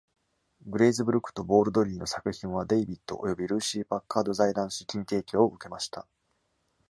グレイズブルックとボールドリーの作品はデイビットおよびルーシー・パッカード財団資金提供を受けました。